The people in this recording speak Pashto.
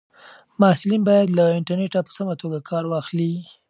محصلین باید له انټرنیټه په سمه توګه کار واخلي.